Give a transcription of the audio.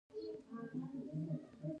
افغانستان په غرونه باندې تکیه لري.